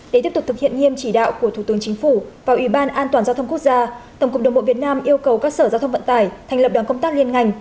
để tiếp tục thực hiện nghiêm chỉ đạo của thủ tướng chính phủ và ủy ban an toàn giao thông quốc gia tổng cục đường bộ việt nam yêu cầu các sở giao thông vận tải thành lập đoàn công tác liên ngành